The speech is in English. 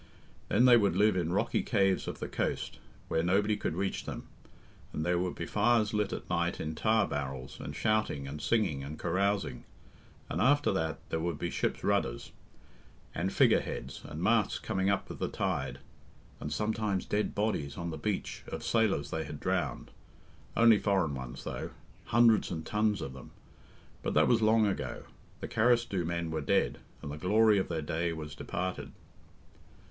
Then they would live in rocky caves of the coast where nobody could reach them, and there would be fires lit at night in tar barrels, and shouting, and singing, and carousing; and after that there would be ships' rudders, and figure heads, and masts coming up with the tide, and sometimes dead bodies on the beach of sailors they had drowned only foreign ones though hundreds and tons of them. But that was long ago, the Carrasdhoo men were dead, and the glory of their day was departed.